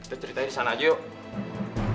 kita ceritain di sana aja yuk